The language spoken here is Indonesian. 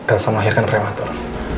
elsa melahirkan prematur